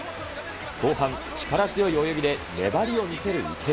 後半、力強い泳ぎで、粘りを見せる池江。